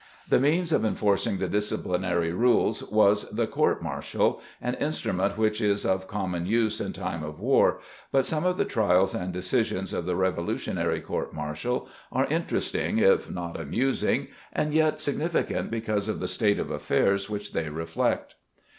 The means of enforcing the disciplinary rules was the court martial, an instrument which is of common use in time of war, but some of the trials and decisions of the revolutionary court martial are interesting if not amusing and yet significant because of the state of affairs which they reflect.